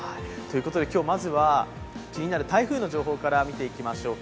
今日、まずは気になる台風の情報から見ていきましょう。